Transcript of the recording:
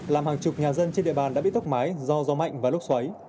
làm hàng chục nhà dân trên địa bàn đã bị tốc mái do gió mạnh và lốc xoáy